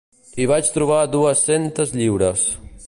Hi vaig trobar dues-centes lliures.